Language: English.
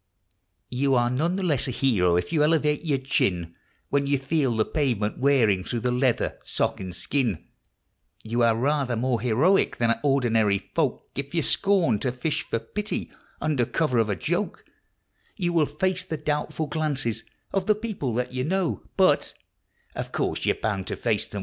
You are none the less a hero if you elevate your chin When you feel the pavement wearing through the leather, sock and skin; You are rather more heroic than are ordinary folk If you scorn to fish for pity under cover of a joke; You will face the doubtful glances of the people that you know ; But of course, you're bound to face them when your pants begin to go.